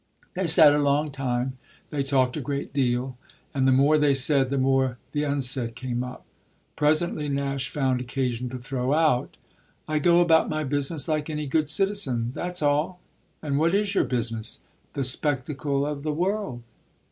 They sat a long time; they talked a great deal, and the more they said the more the unsaid came up. Presently Nash found occasion to throw out: "I go about my business like any good citizen that's all." "And what is your business?" "The spectacle of the world."